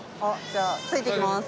じゃあついていきます。